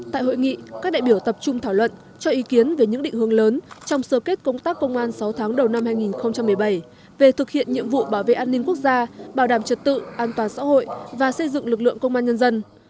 tại hội nghị các đại biểu tập trung thảo luận cho ý kiến về những định hướng lớn trong sơ kết công tác công an sáu tháng đầu năm hai nghìn một mươi bảy về thực hiện nhiệm vụ bảo vệ an ninh quốc gia bảo đảm trật tự an toàn xã hội và xây dựng lực lượng công an nhân dân